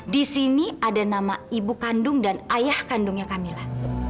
di sini ada nama ibu kandung dan ayah kandungnya camilla